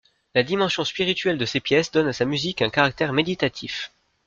La dimension spirituelle de ses pièces donne à sa musique un caractère méditatif.